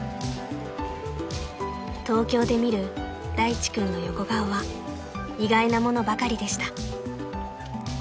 ［東京で見る大地君の横顔は意外なものばかりでした］